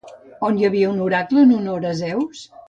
On hi havia un oracle en honor Zeus?